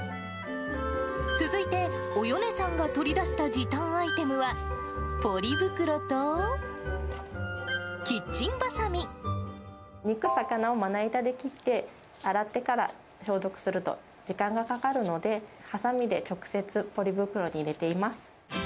続いて、およねさんが取り出した時短アイテムは、肉、魚をまな板で切って、洗ってから消毒すると、時間がかかるので、はさみで直接、ポリ袋に入れています。